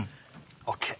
ＯＫ。